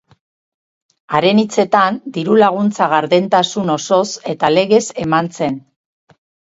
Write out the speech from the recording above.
Haren hitzetan, diru-laguntza gardentasun osoz eta legez eman zen.